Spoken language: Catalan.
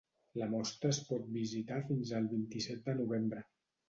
La mostra es pot visitar fins al vint-i-set de novembre.